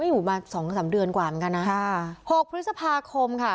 อยู่มาสองสามเดือนกว่าเหมือนกันนะค่ะหกพฤษภาคมค่ะ